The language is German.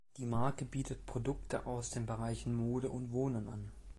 Die Marke bietet Produkte aus den Bereichen Mode und Wohnen an.